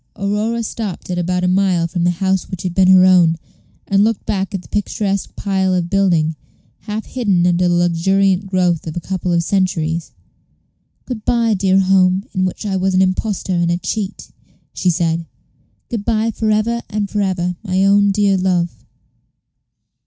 Aurora stopped at about a mile from the house which had been her own, and looked back at the picturesque pile of building, half hidden under the luxuriant growth of a couple of centuries. "Good by, dear home, in which I was an impostor and a cheat," she said; "good by for ever and for ever, my own dear love."